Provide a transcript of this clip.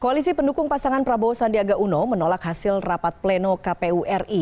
koalisi pendukung pasangan prabowo sandiaga uno menolak hasil rapat pleno kpu ri